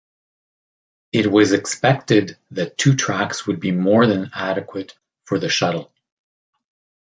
It was expected that two tracks would be more than adequate for the shuttle.